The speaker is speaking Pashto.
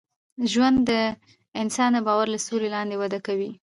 ژوند د انسان د باور له سیوري لاندي وده کوي.